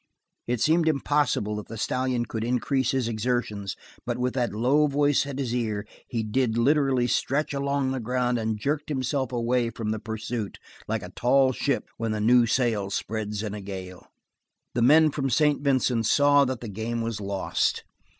It seemed impossible that the stallion could increase his exertions, but with that low voice at his ear he did literally stretch along the ground and jerked himself away from the pursuit like a tall ship when a new sail spreads in a gale. The men from St. Vincent saw that the game was lost.